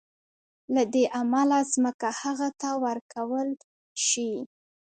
له دې امله ځمکه هغه ته ورکول شي.